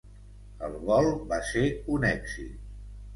El vol va ser un èxit.